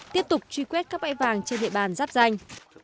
tiếp tục truy quét các bãi vàng trên địa bàn giáp danh